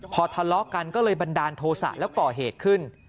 พอทะเลาะกันก็เลยบันดาลโทษะแล้วก่อเหตุขึ้น